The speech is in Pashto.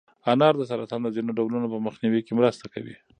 انار د سرطان د ځینو ډولونو په مخنیوي کې مرسته کوي.